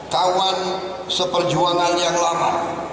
kawan seperjuangan yang lama